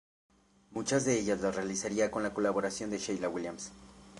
Muchas de ellas las realizaría con la colaboración de Sheila Williams.